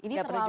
gak perlu juga